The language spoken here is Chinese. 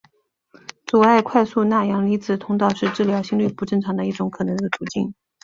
阻碍快速钠阳离子通道是治疗心律不正常的一种可能的途径。